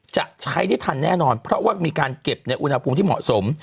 จะใช้ได้ทันแน่นอนเพราะว่ามีการเก็บในอุณหภูมิที่เหมาะสม